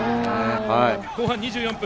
後半２４分。